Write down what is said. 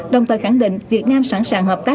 đồng thời khẳng định việt nam sẵn sàng hợp tác